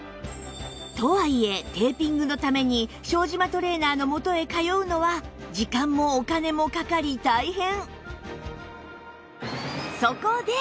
とはいえテーピングのために庄島トレーナーの元へ通うのは時間もお金もかかり大変